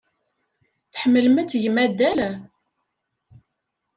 Tḥemmlem ad tgem addal?